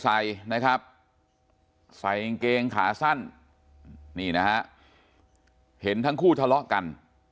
ใส่เงินเกงขาสั้นนี้นะฮะเห็นทั้งคู่ทะเลาะกัน